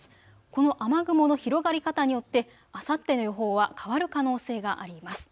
この雨雲の広がり方によってあさっての予報は変わる可能性があります。